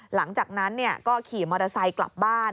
หลังจากนั้นก็ขี่มอเตอร์ไซค์กลับบ้าน